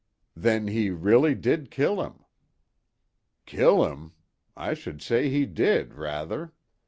"Then he really did kill him." "Kill 'im? I should say he did, rather.